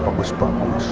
mas yang kuat mas